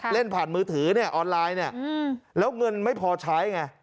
เล่นผ่านมือถือเนี่ยออนไลน์เนี่ยแล้วเงินไม่พอใช้ไง